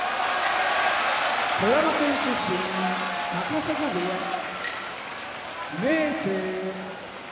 富山県出身高砂部屋明生